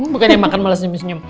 bukannya makan malah senyum senyum